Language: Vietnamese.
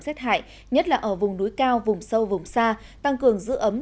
rét hại nhất là ở vùng núi cao vùng sâu vùng xa tăng cường giữ ấm